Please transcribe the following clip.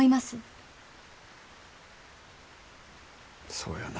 そうやな。